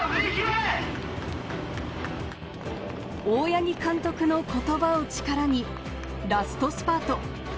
大八木監督の言葉を力にラストスパート。